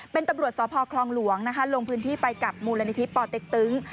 เป็นตำรวจสพคลองหลวงนะคะลงพื้นที่ไปกับมูลนิธิปอเต็กตึง